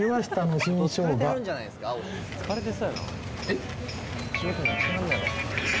えっ？